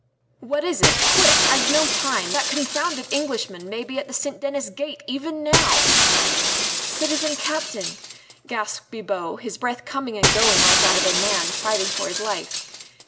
"What is it? Quick! I've no time. That confounded Englishman may be at the St. Denis Gate even now!" "Citizen Captain," gasped Bibot, his breath coming and going like that of a man fighting for his life.